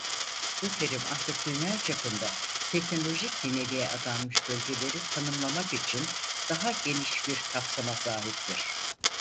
Bu terim artık dünya çapında teknolojik yeniliğe adanmış bölgeleri tanımlamak için daha geniş bir kapsama sahiptir.